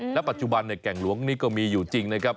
และปัจจุบันแก่งหลวงนี่ก็มีอยู่จริงนะครับ